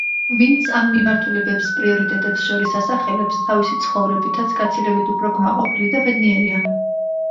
ვინც ამ მიმართულებებს პრიორიტეტებს შორის ასახელებს, თავისი ცხოვრებითაც გაცილებით უფრო კმაყოფილი და ბედნიერია.